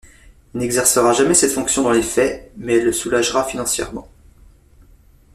Il n'exercera jamais cette fonction dans les faits, mais elle le soulagera financièrement.